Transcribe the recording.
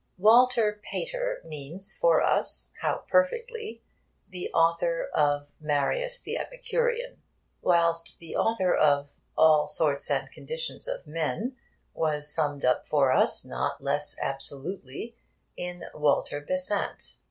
'Walter Pater' means for us how perfectly! the author of Marius the Epicurean, whilst the author of All Sorts and Conditions of Men was summed up for us, not less absolutely, in 'Walter Besant.'